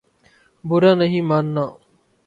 برا نہیں ماننا